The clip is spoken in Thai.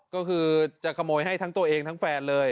ก็คือจะขโมยให้ทั้งตัวเองทั้งแฟนเลย